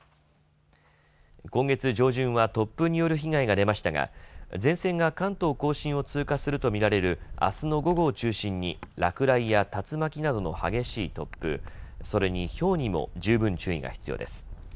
今月上旬は突風による被害が出ましたが前線が関東甲信を通過すると見られるあすの午後を中心に落雷や竜巻などの激しい突風、それに、ひょうにも十分注意が必要です。